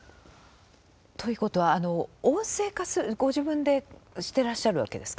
ということは音声化するご自分でしてらっしゃるわけですか？